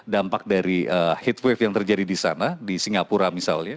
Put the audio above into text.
dampak dari heat wave yang terjadi di sana di singapura misalnya